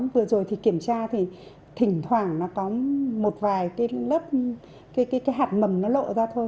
vừa rồi thì kiểm tra thì thỉnh thoảng nó có một vài cái lớp hạt mầm nó lộ ra thôi